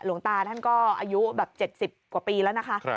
หลวงตาท่านก็อายุแบบ๗๐กว่าปีแล้วนะคะ